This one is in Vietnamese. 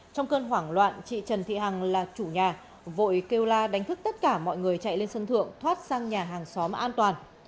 trong cơn hoảng loạn chị trần thị hằng là chủ nhà vội kêu la đánh thức tất cả mọi người chạy lên sân thượng thoát sang nhà hàng xóm an toàn